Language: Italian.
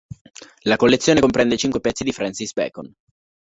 La collezione comprende cinque pezzi di Francis Bacon.